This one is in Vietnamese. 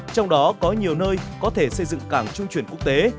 trong đó có nhiều nơi có thể xây dựng cảng trung chuyển quốc tế